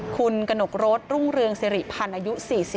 คุณกระหนกรถรุ่งเรืองสิริพันธ์อายุ๔๔